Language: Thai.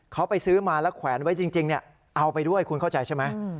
เขาไปซื้อมาแล้วแขวนไว้จริงเอาไปด้วยคุณเข้าใจใช่ไหม